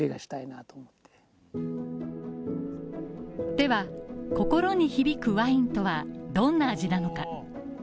では、心に響くワインとはどんな味なのか。